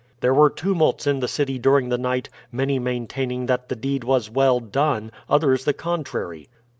There were tumults in the city during the night, many maintaining that the deed was well done, others the contrary.